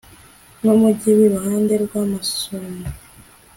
n'umugi w'iruhande rw'amasumo